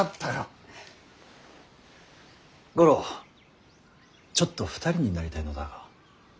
五郎ちょっと２人になりたいのだが。